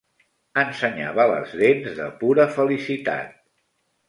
Ensenyava les dents de pura felicitat.